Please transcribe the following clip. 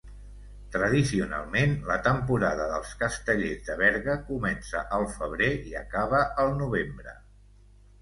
Tradicionalment, la temporada dels Castellers de Berga comença al febrer i acaba al novembre.